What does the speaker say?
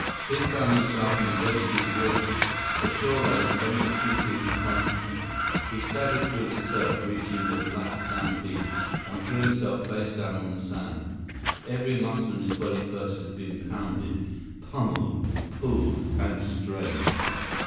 Biff found himself in waist deep water. The shoreline was only a few feet in front of him. He staggered through the surf, reached the black sand beach, and threw himself face down on the sand. Every muscle in his body felt as if it had been pounded, pummeled, pulled, and strained.